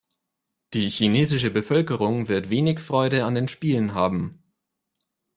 Die chinesische Bevölkerung wird wenig Freude an den Spielen haben.